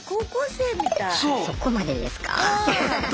そこまでですか？